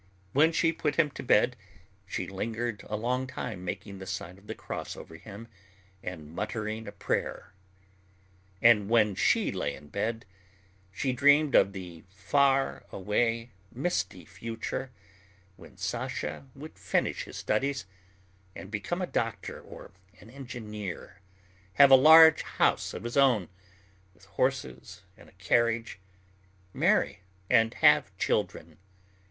When she put him to bed, she lingered a long time making the sign of the cross over him and muttering a prayer. And when she lay in bed, she dreamed of the far away, misty future when Sasha would finish his studies and become a doctor or an engineer, have a large house of his own, with horses and a carriage, marry and have children.